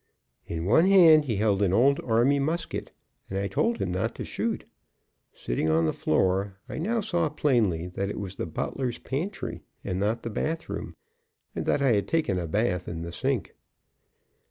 In one hand he held an old army musket, and I told him not to shoot. Sitting on the floor, I now saw plainly that it was the butler's pantry and not the bath room, and that I had taken a bath in the sink.